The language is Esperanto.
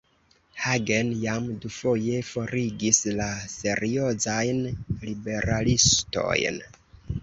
Hagen jam dufoje forigis la seriozajn liberalistojn.